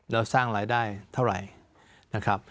แล้วสร้างรายได้เท่าไหร่